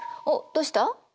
おっどうした？